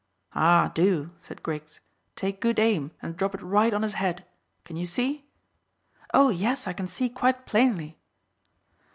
"Ah, do," said Griggs. "Take good aim, and drop it right on his head. Can you see?" "Oh, yes, I can see quite plainly."